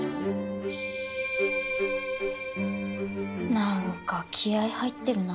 なんか気合入ってるな。